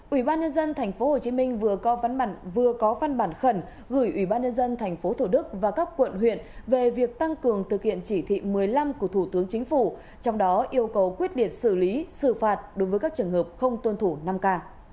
ủy ban nhân dân tp hcm vừa có phân bản khẩn gửi ủy ban nhân dân tp thd và các quận huyện về việc tăng cường thực hiện chỉ thị một mươi năm của thủ tướng chính phủ trong đó yêu cầu quyết định xử lý xử phạt đối với các trường hợp không tuân thủ năm k